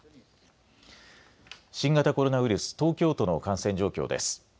新型コロナウイルス、東京都の感染状況です。